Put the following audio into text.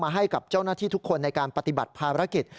ให้กับเจ้าหน้าที่ทุกคนในการปฏิบัติภารกิจ